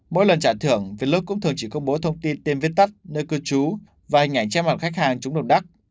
mỗi lần trả thưởng vé lốt cũng thường chỉ công bố thông tin tên viết tắt nơi cư trú và hình ảnh che mặt khách hàng trúng động đắc